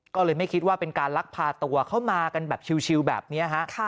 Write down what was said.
ก็เลยไม่คิดว่าเป็นการลักพาตัวเข้ามากันแบบชิลแบบนี้ฮะ